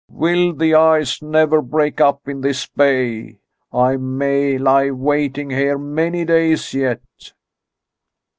"Will the ice never break up in this bay? I may lie waiting here many days yet."